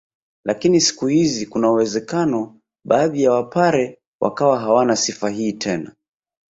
Lakini siku hizi kuna uwezekano baadhi ya wapare wakawa hawana sifa hii tena